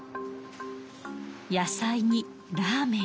野菜にラーメン。